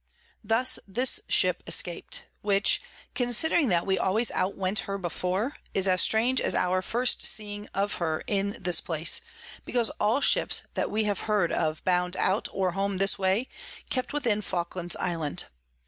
Thus this Ship escap'd; which, considering that we always out went her before, is as strange as our first seeing of her in this place, because all Ships that we have heard of bound out or home this way, kept within Falkland's Island.